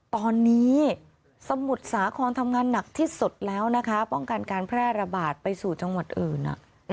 ตอนนี้สมุทรสาครทำงานหนักที่สุดแล้วนะคะป้องกันการแพร่ระบาดไปสู่จังหวัดอื่น